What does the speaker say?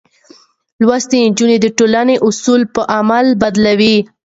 لوستې نجونې د ټولنې اصول په عمل بدلوي.